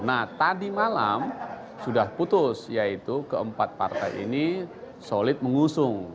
nah tadi malam sudah putus yaitu keempat partai ini solid mengusung